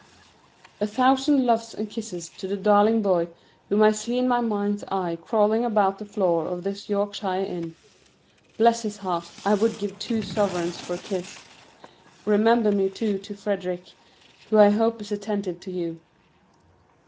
A thousand loves and kisses to the darling boy, whom I see in my mind's eye crawling about the floor of this Yorkshire inn. Bless his heart, I would give two sovereigns for a kiss. Remember me too to Frederick, who I hope is attentive to you.